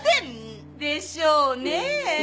でしょうね。